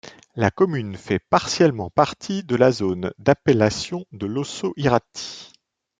La commune fait partiellement partie de la zone d'appellation de l'ossau-iraty.